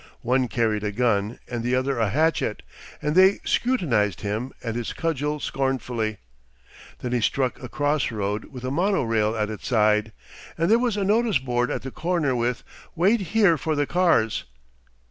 One carried a gun and the other a hatchet, and they scrutinised him and his cudgel scornfully. Then he struck a cross road with a mono rail at its side, and there was a notice board at the corner with "Wait here for the cars."